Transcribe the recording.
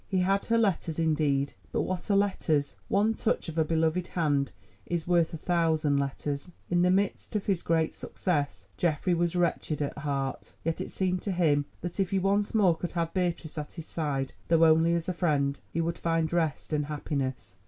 He had her letters indeed, but what are letters! One touch of a beloved hand is worth a thousand letters. In the midst of his great success Geoffrey was wretched at heart, yet it seemed to him that if he once more could have Beatrice at his side, though only as a friend, he would find rest and happiness.